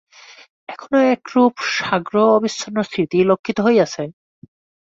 এখানেও একরূপ সাগ্রহ অবিচ্ছিন্ন স্মৃতিই লক্ষিত হইয়াছে।